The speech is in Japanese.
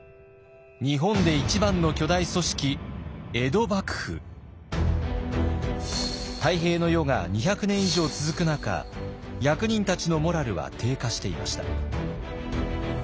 日本で一番の巨大組織泰平の世が２００年以上続く中役人たちのモラルは低下していました。